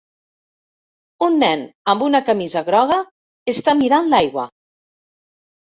Un nen amb una camisa groga està mirant l"aigua.